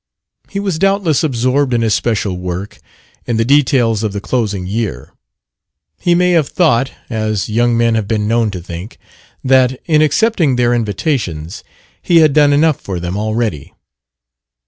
He was doubtless absorbed in his special work, in the details of the closing year. He may have thought (as young men have been known to think) that, in accepting their invitations, he had done enough for them already.